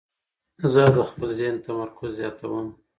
زه د خپل ذهن تمرکز زیاتوم.